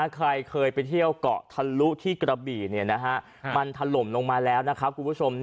ใครเคยไปเที่ยวเกาะทะลุที่กระบี่มันถล่มลงมาแล้วนะครับคุณผู้ชม